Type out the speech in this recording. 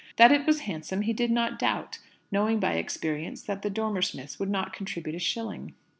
That it was handsome he did not doubt; knowing by experience that the Dormer Smiths would not contribute a shilling.